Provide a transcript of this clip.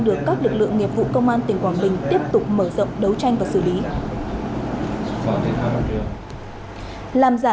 được các lực lượng nghiệp vụ công an tỉnh quảng bình tiếp tục mở rộng đấu tranh và xử lý